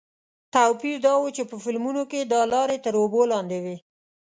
توپیر دا و چې په فلمونو کې دا لارې تر اوبو لاندې وې.